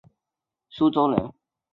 直隶苏州人。